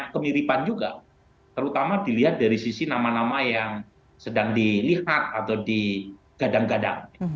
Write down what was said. kemiripan juga terutama dilihat dari sisi nama nama yang sedang dilihat atau digadang gadang